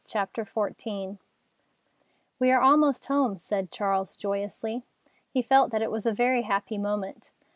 CHAPTER XIV "We are almost home," said Charles joyously. He felt that it was a very happy moment.